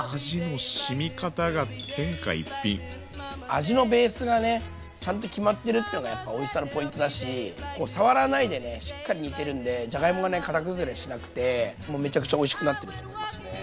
味のベースがねちゃんと決まってるっていうのがねやっぱおいしさのポイントだし触らないでねしっかり煮てるんでじゃがいもが形崩れしなくてもうめちゃくちゃおいしくなってると思いますね。